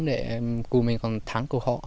để cùng mình còn thắng cuộc họ